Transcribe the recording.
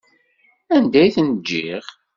Anda i ten-ǧǧiɣ?